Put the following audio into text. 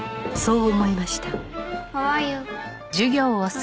そう思いました